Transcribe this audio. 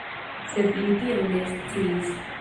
Sed li tion ne sciis.